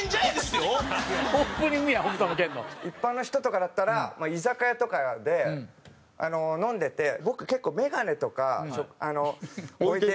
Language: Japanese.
一般の人とかだったら居酒屋とかで飲んでて僕結構眼鏡とか置いてあるんですよ。